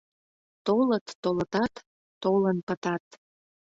Толыт-толытат, толын пытат.